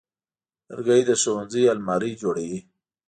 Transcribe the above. لرګی د ښوونځي المارۍ جوړوي.